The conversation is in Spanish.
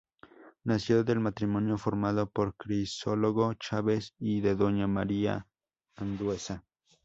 Nació del matrimonio formado por Crisólogo Chaves y de Doña María F. Andueza.